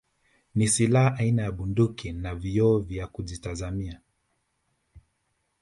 Ni silaha aina ya Bunduki na vioo vya kujitazamia